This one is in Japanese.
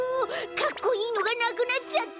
かっこいいのがなくなっちゃった。